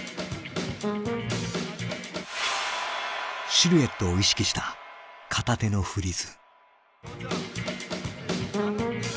シルエットを意識した片手のフリーズ。